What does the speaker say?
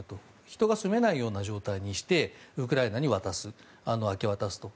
人が住めないような状態にしてウクライナに明け渡すと。